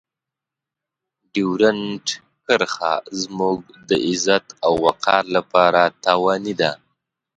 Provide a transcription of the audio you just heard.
ډیورنډ کرښه زموږ د عزت او وقار لپاره تاواني ده.